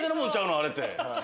あれって。